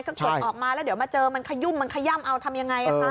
น่าก็กลับออกมาเดี๋ยวมาเจอมันขยุมมันขย้ำเอาทำยังไง